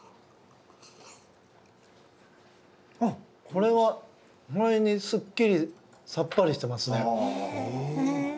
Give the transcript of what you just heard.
これは意外にすっきりさっぱりしてますね。